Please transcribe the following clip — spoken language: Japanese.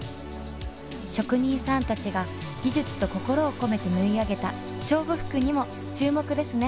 職人さん達が技術と心を込めて縫い上げた勝負服にも注目ですね